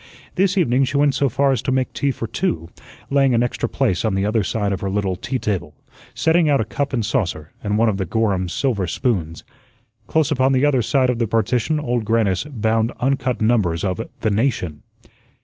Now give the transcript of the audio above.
This evening she went so far as to make tea for two, laying an extra place on the other side of her little tea table, setting out a cup and saucer and one of the Gorham silver spoons. Close upon the other side of the partition Old Grannis bound uncut numbers of the "Nation."